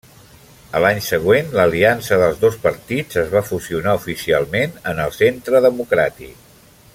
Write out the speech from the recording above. A l'any següent, l'aliança dels dos partits es va fusionar oficialment en el Centre Democràtic.